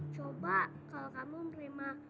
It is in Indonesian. coba kalau kamu menerima